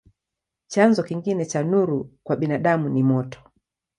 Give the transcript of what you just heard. Chanzo kingine cha nuru kwa binadamu ni moto.